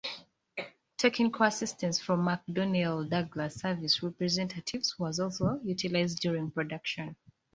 Technical assistance from McDonnell Douglas service representatives was also utilized during production.